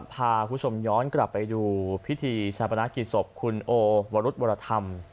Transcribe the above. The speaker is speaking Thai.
พาคุณผู้ชมย้อนกลับไปดูพิธีชาปนากิจศพคุณโอวรุธวรธรรม